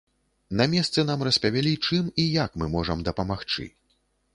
На месцы нам распавялі, чым і як мы можам дапамагчы.